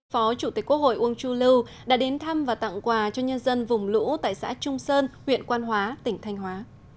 phó chủ tịch quốc hội uông chu lưu đã đến thăm và tặng quà cho nhân dân vùng lũ tại xã trung sơn huyện quan hóa tỉnh thanh hóa